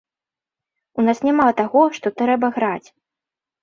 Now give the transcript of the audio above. У нас няма таго, што трэба граць.